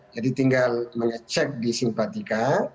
jadi tinggal cek di simpatika